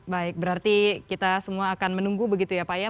baik berarti kita semua akan menunggu begitu ya pak ya